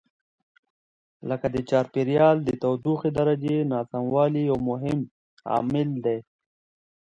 لکه د چاپېریال د تودوخې درجې ناسموالی یو مهم عامل دی.